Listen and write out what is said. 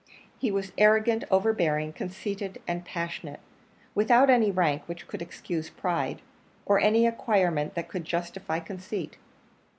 He was arrogant, overbearing, conceited, and passionate without any rank which could excuse pride, or any acquirement that could justify conceit.